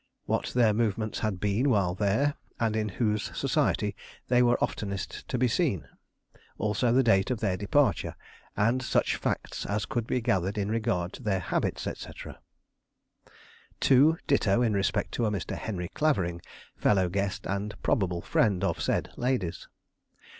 What their movements had been while there, and in whose society they were oftenest to be seen. Also the date of their departure, and such facts as could be gathered in regard to their habits, etc. 2. Ditto in respect to a Mr. Henry Clavering, fellow guest and probable friend of said ladies.